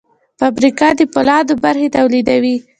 فابریکه د فولادو برخې تولیدوي.